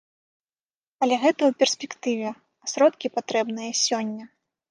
Але гэта ў перспектыве, а сродкі патрэбныя сёння.